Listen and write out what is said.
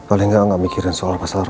aku mau nyibukkan diri dengan kerja kantor